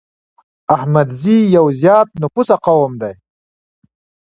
احمدزي يو زيات نفوسه قوم دی